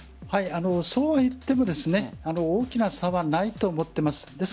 そうは言っても大きな差はないと思っています。